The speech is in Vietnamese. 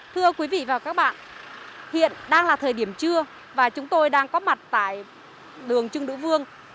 thưa quý vị và các bạn hiện đang là thời điểm trưa và chúng tôi đang có mặt tại đường trưng đữ vương